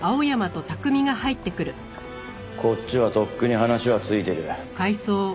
こっちはとっくに話はついてる。